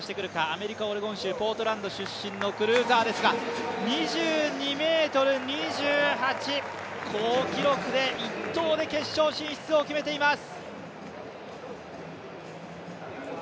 アメリカ・オレゴン州ポートランド出身のクルーザーですが２２ｍ２８、好記録で１投で決勝進出を決めています。